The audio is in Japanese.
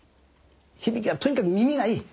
響はとにかく耳がいい。